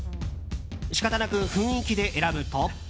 仕方なく雰囲気で選ぶと。